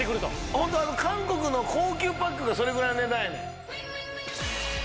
ホント韓国の高級パックがそれぐらいの値段やねん。